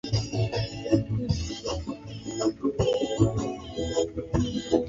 viwango vya uchafuzi wa hewa katika eneo